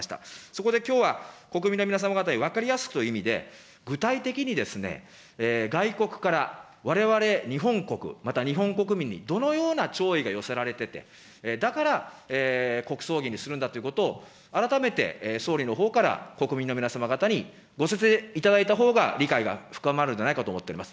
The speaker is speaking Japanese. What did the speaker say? そこできょうは、国民の皆様方に分かりやすくという意味で、具体的にですね、外国からわれわれ日本国、また日本国民にどのような弔意が寄せられてて、だから、国葬儀にするんだということを、改めて総理のほうから国民の皆様方にご説明いただいたほうが理解が深まるんじゃないかと思っております。